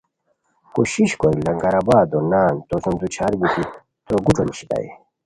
کوشش کوری لنگر آبادو نان تو سُم دوچھار بیتی توگوݯو نیشیتائے